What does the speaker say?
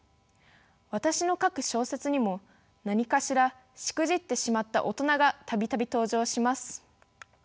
私の書く小説にも何かしらしくじってしまった大人が度々登場します。